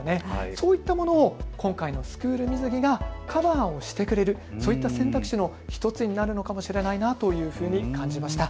そういったものを今回のスクール水着がカバーをしてくれる、そういった選択肢の１つになるのかもしれないなと感じました。